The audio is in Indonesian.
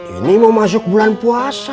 ini mau masuk bulan puasa